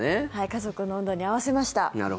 家族の温度に合わせました。